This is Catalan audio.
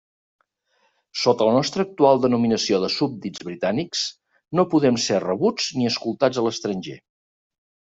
Sota la nostra actual denominació de súbdits britànics no podem ser rebuts ni escoltats a l'estranger.